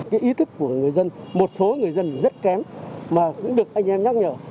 cái ý thức của người dân một số người dân rất kém mà cũng được anh em nhắc nhở